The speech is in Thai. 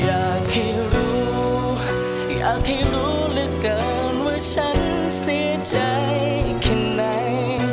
อยากให้รู้อยากให้รู้เหลือเกินว่าฉันเสียใจแค่ไหน